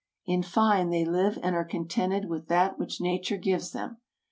In fine, they live and are contented with that which nature gives them.